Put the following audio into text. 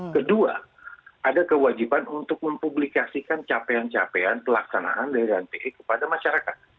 kedua ada kewajiban untuk mempublikasikan capaian capaian pelaksanaan dari ranpe kepada masyarakat